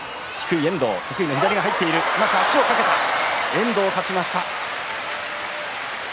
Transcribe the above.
遠藤、勝ちました。